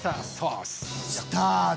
スターだ！